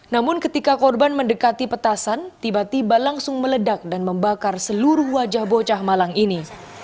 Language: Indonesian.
namun ketika korban mendekati petasan tiba tiba langsung meledak dan membakar seluruh wajah bocah malang ini